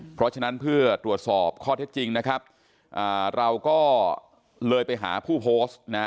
เพราะฉะนั้นเพื่อตรวจสอบข้อเท็จจริงนะครับเราก็เลยไปหาผู้โพสต์นะ